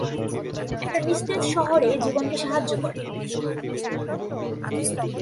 একটা নিস্তেজ শহরে জীবনকে সাহায্য করে।